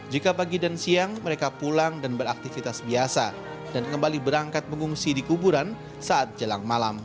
jika pagi dan siang mereka pulang dan beraktivitas biasa dan kembali berangkat mengungsi di kuburan saat jelang malam